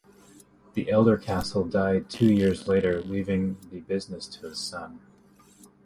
The elder Castle died two years later, leaving the business to his son.